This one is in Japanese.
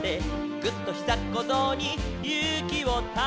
「ぐっ！とひざっこぞうにゆうきをため」